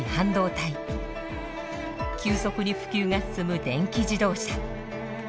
急速に普及が進む電気自動車。